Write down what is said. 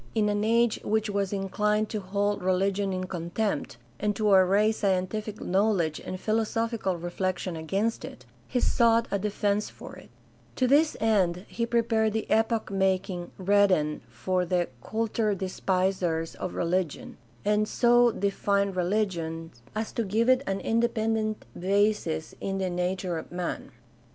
In an age which was inclined to hold religion in contempt, and to array scientific knowledge and philosophical reflection against it, he sought a defense for it. To this end he pre pared the epoch making Reden for the "cultured despisers of religion," and so defined religion as to give it an independent 456 GUIDE TO STUDY OF CHRISTIAN RELIGION basis in the nature of man.